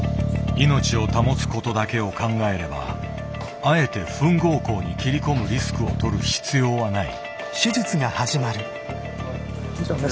命を保つことだけを考えればあえてふん合口に切り込むリスクをとる必要はない。